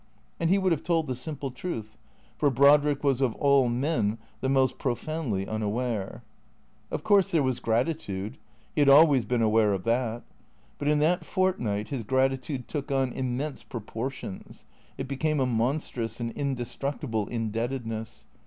And he would have told the simple truth; for Brodrick was of all men the most profoundly unaware. Of course, there was gratitude. He had always been aware of that. But in that fortnight his gratitude took on immense proportions, it became a monstrous and indestructible indebted ness.